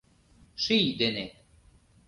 Ший дене...